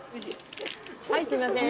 はいすいません。